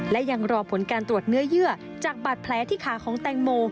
และยังรอผลการตรวจเนื้อเยื่อจากบาดแผลที่ขาของแตงโม